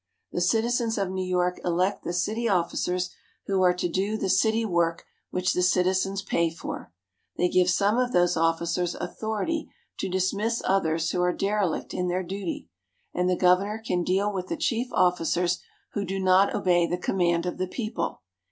The citizens of New York elect the city officers who are to do the city work which the citizens pay for. They give some of those officers authority to dismiss others who are derelict in their duty, and the governor can deal with the chief officers who do not obey the command of the people.